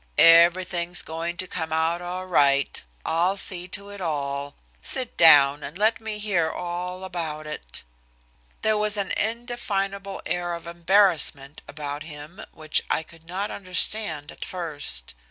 "Everything's going to come out all right. I'll see to it all. Sit down, and let me hear all about it." There was an indefinable air of embarrassment about him which I could not understand at first.